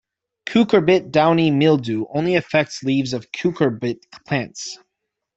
Cucurbit downy mildew only affects leaves of cucurbit plants.